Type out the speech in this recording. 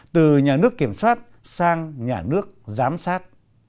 từ nhà nước kiểm soát sang nhà nước giám sát